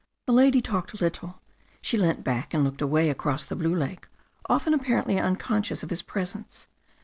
The lady talked little, she leant back and looked away across the blue lake, often apparently unconscious of his presence.